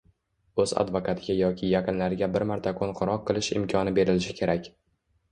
o‘z advokatiga yoki yaqinlariga bir marta qo‘ng‘iroq qilish imkoni berilishi shart.